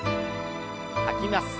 吐きます。